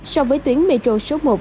so với tuyến metro số một